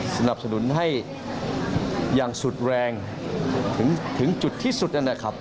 สนับสนุนให้อย่างสุดแรงถึงจุดที่สุดนั่นนะครับ